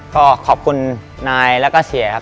ก็ขอบคุณนายแล้วก็เสียครับ